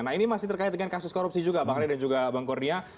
nah ini masih terkait dengan kasus korupsi juga bang ray dan juga bang kurnia